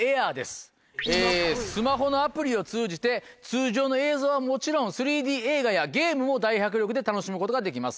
スマホのアプリを通じて通常の映像はもちろん３Ｄ映画やゲームも大迫力で楽しむことができます。